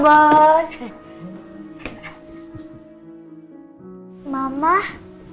waalaikumsalam pak bos